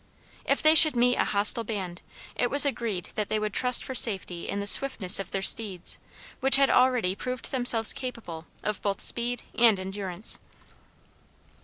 If they should meet a hostile band, it was agreed that they would trust for safety in the swiftness of their steeds, which had already proved themselves capable of both speed and endurance.